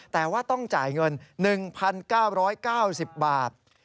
แต่ว่าต้องจ่ายเงิน๑๙๙๐บาท